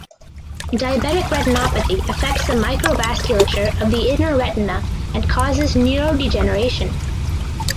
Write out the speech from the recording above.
Diabetic retinopathy affects the microvasculature of the inner retina and causes neurodegeneration.